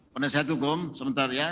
penasihat hukum sebentar ya